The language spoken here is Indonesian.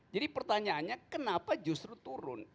jadi pertanyaannya kenapa justru turun